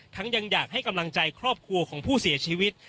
ยังอยากให้กำลังใจครอบครัวของผู้เสียชีวิต